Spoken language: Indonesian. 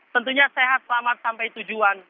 tentunya sehat selamat sampai tujuan